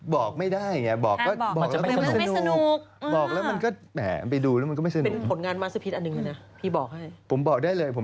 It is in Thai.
พี่ก็บอกว่าไปดูเอาในละครตอนจบเลยครับ